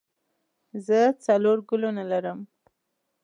زه څلور ګلونه لرم.